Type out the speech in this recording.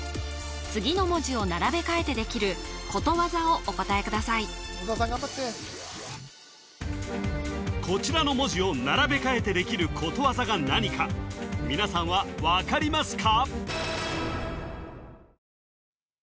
次の文字を並べ替えてできることわざをお答えください野沢さん頑張ってこちらの文字を並べ替えてできることわざが何か皆さんは分かりますか？